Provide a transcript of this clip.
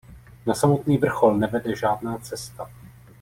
Na samotný vrchol nevede žádná cesta.